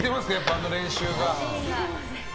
あの練習が。